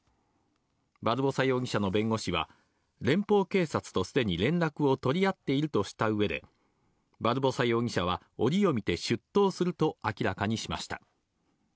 バルボサ容疑者の弁護士は、連邦警察とすでに連絡を取り合っているとしたうえで、バルボサ容疑者は折を見て出頭すると明らかにしました。